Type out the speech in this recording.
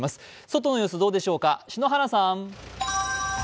外の様子どうでしょうか、篠原さん。